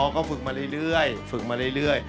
อ๋อก็ฝึกมาเรื่อย